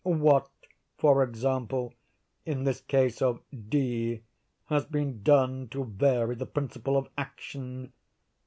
What, for example, in this case of D——, has been done to vary the principle of action?